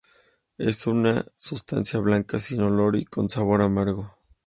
Es una sustancia blanca, sin olor y con sabor amargo.